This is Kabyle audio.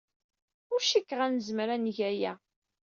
Ur cikkeɣ ad nezmer ad neg aya.